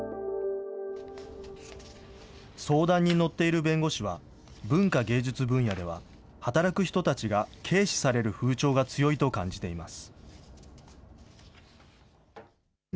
相談に乗っている弁護士は、文化・芸術分野では働く人たちが軽視される風潮が強いと感じています。